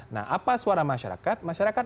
nah apa suara masyarakat masyarakat